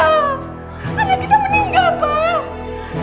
anak kita meninggal pak